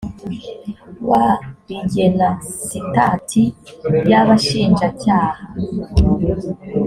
wa rigena sitati y abashinjacyaha